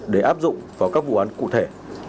để áp dụng vào các vụ án cụ thể